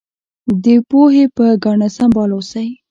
د پوهې په ګاڼه سمبال اوسئ.